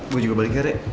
gue juga balik ya rek